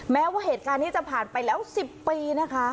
แม้ว่าเหตุการณ์นี้จะผ่านไปแล้ว๑๐ปีนะคะ